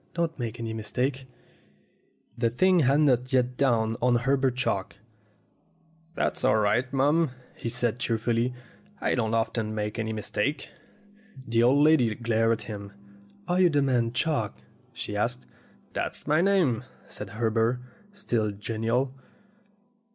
Don't make any mistake !" The thing had not yet dawned on Herbert Chalk. "That's all right, mum," he said cheerfully. "I don't often make any mistake." The old lady glared at him. "Are you the man Chalk?" she asked. "That's my name," said Herbert, still genial.